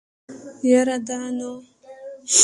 يره دا نو.